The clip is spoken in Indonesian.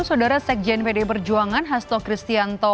saudara sekjen pdi perjuangan hasto kristianto